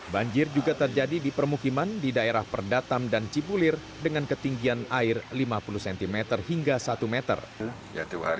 banjir juga terjadi di permukiman di daerah perdatam dan cipulir dengan ketinggian air lima puluh cm hingga satu meter